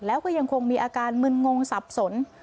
แล้วก็ยังคงมีอาการมึนงงสับสน